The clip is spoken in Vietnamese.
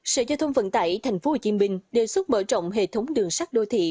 sở giao thông vận tải tp hcm đề xuất mở rộng hệ thống đường sắt đô thị